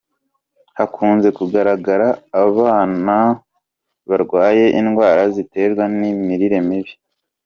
Hakunze kugaragara abana barwaye indwara ziterwa n’imirire mibi.